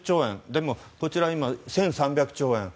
でもこちら、今１３００兆円。